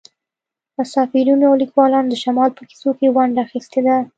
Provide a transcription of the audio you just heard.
مسافرینو او لیکوالانو د شمال په کیسو کې ونډه اخیستې ده